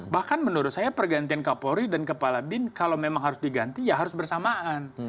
bahkan menurut saya pergantian kapolri dan kepala bin kalau memang harus diganti ya harus bersamaan